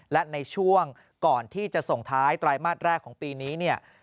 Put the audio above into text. และในช่วงก่อนที่จะส่งท้ายไตรมาสแรกของปีนี้เนี่ย